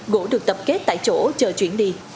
gỗ được tập kết tại chỗ chờ chuyển đi